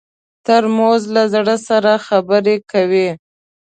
ترموز له زړه سره خبرې کوي.